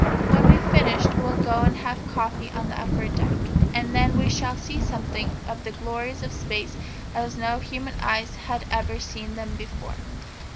When we've finished we'll go and have coffee on the upper deck, and then we shall see something of the glories of Space as no human eyes have ever seen them before."